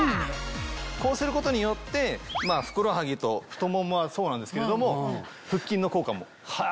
こうすることによってふくらはぎと太ももはそうなんですけれども腹筋の効果も。